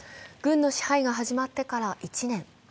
軍の支配が始まってから１年。